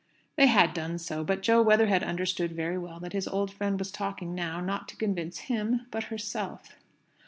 They had done so. But Jo Weatherhead understood very well that his old friend was talking now, not to convince him, but herself.